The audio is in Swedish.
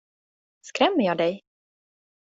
Skrämmer jag dig?